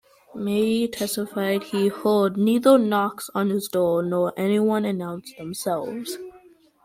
Maye testified he heard neither knocks on his door nor anyone announce themselves.